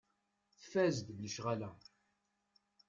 Tfaz deg lecɣal-a.